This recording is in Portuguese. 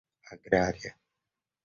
agrária